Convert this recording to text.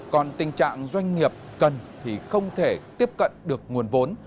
còn tình trạng doanh nghiệp cần thì không thể tiếp cận được nguồn vốn